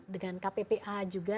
dengan kppa juga